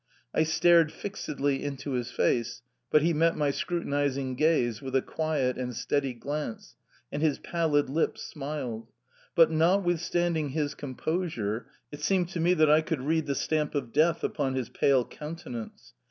I stared fixedly into his face; but he met my scrutinising gaze with a quiet and steady glance, and his pallid lips smiled. But, notwithstanding his composure, it seemed to me that I could read the stamp of death upon his pale countenance.